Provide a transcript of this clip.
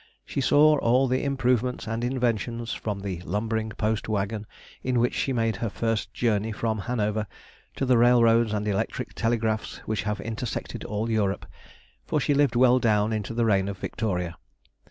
She saw all the improvements and inventions, from the lumbering post waggon in which she made her first journey from Hanover, to the railroads and electric telegraphs which have intersected all Europe, for she lived well down into the reign of Victoria.